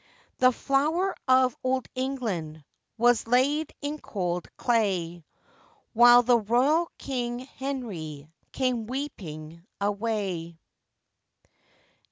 The flower of Old England Was laid in cold clay, Whilst the royal King Henrie Came weeping away.